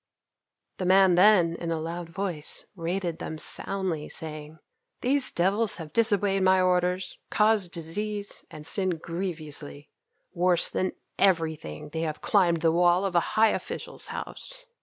The man then, in a loud voice, rated them soundly, saying, "These devils have disobeyed my orders, caused disease and sinned grievously. Worse than everything, they have climbed the wall of a high official's house."